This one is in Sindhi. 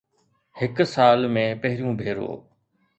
هڪ سال ۾ پهريون ڀيرو